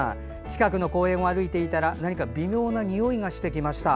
近くの公園を歩いていたら何か微妙なにおいがしてきました。